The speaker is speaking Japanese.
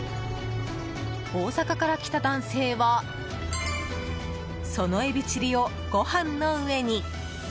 大阪から来た男性はそのエビチリをご飯の上に。